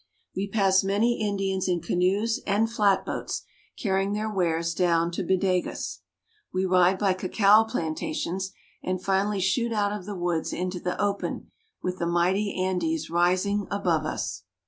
We pass many Indians in canoes and flatboats, carrying their wares down to Bodegas. We ride by cacao planta tions, and finally shoot out of the woods into the open, with the mighty Andes rising above us.